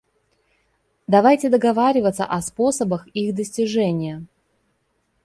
Давайте договариваться о способах их достижения.